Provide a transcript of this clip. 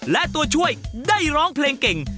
และตัวช่วยได้ร้องเพลงเก่ง